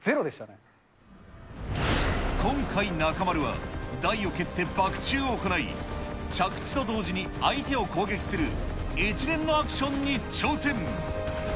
今回、中丸は、台を蹴ってバク宙を行い、着地と同時に相手を攻撃する、一連のアクションに挑戦。